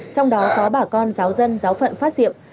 trong đó có bà con giáo dân giáo phận phát diệm